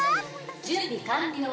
「準備完了」